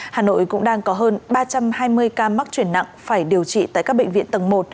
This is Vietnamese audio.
hà nội cũng đang có hơn ba trăm hai mươi ca mắc chuyển nặng phải điều trị tại các bệnh viện tầng một